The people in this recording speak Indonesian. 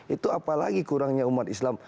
itu apalagi kurangnya umat islam